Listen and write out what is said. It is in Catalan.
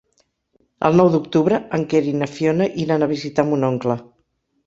El nou d'octubre en Quer i na Fiona iran a visitar mon oncle.